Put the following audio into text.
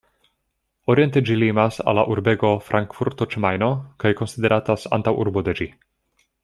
Oriente ĝi limas al la urbego Frankfurto ĉe Majno, kaj konsideratas antaŭurbo de ĝi.